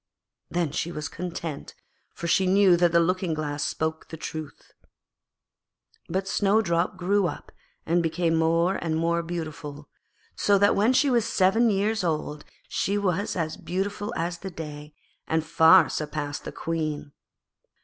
Then she was content, for she knew that the Looking glass spoke the truth. But Snowdrop grew up and became more and more beautiful, so that when she was seven years old she was as beautiful as the day, and far surpassed the Queen.